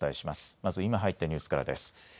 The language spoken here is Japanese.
まず今入ったニュースからです。